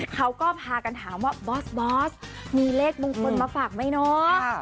เขาก็พากันถามว่าบอสบอสมีเลขมงคลมาฝากไหมเนาะ